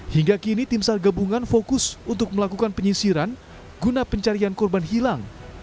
hingga kini tim sar gabungan fokus untuk melakukan penyisiran guna pencarian korban hilang